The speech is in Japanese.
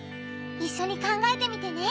いっしょに考えてみてね！